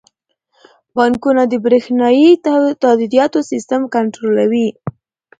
بانکونه د بریښنايي تادیاتو سیستم کنټرولوي.